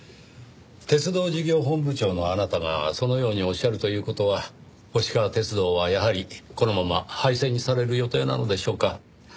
鉄道事業本部長のあなたがそのようにおっしゃるという事は星川鐵道はやはりこのまま廃線にされる予定なのでしょうか？